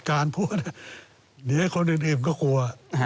การพูดเหนียวให้คนอื่นอิ่มก็กลัว